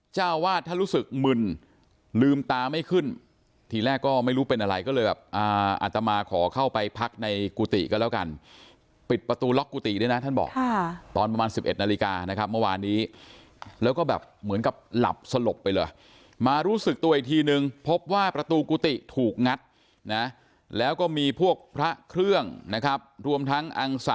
เจ้าวาดท่านรู้สึกมึนลืมตาไม่ขึ้นทีแรกก็ไม่รู้เป็นอะไรก็เลยแบบอาตมาขอเข้าไปพักในกุฏิก็แล้วกันปิดประตูล็อกกุฏิด้วยนะท่านบอกตอนประมาณ๑๑นาฬิกานะครับเมื่อวานนี้แล้วก็แบบเหมือนกับหลับสลบไปเลยมารู้สึกตัวอีกทีนึงพบว่าประตูกุฏิถูกงัดนะแล้วก็มีพวกพระเครื่องนะครับรวมทั้งอ